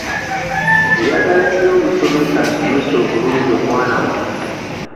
Njagala nnyo omusomesa asomesa obulungi omwana wange.